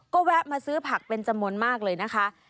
ก็แวะมาซื้อผักเป็นจำนวนมากเลยนะคะ